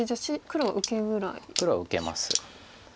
黒は受けます。